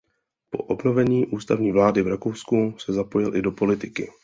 Po obnovení ústavní vlády v Rakousku se zapojil i do politiky.